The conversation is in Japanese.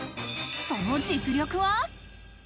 その実力は。